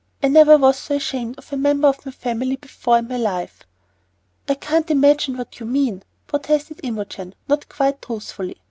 I never was so ashamed of a member of my own family before in my life." "I can't imagine what you mean," protested Imogen, not quite truthfully.